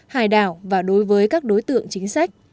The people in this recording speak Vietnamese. hải đảo và đối với các đối tượng chính sách